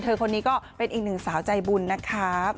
คนนี้ก็เป็นอีกหนึ่งสาวใจบุญนะครับ